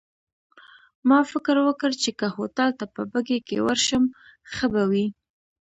ما فکر وکړ، چي که هوټل ته په بګۍ کي ورشم ښه به وي.